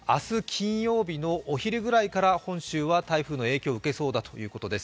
金曜日のお昼ぐらいから本州は台風の影響を受けそうだということです